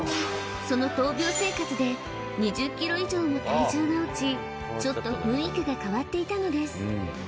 その闘病生活で２０ｋｇ以上も体重が落ちちょっと雰囲気が変わっていたのです